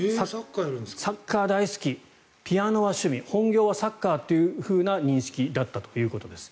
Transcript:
サッカー大好きピアノは趣味本業はサッカーという認識だったということです。